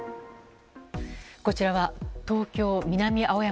こちらは東京・南青山。